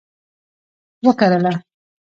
وکرله